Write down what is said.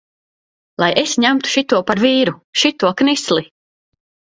Es lai ņemu šito par vīru, šito knisli!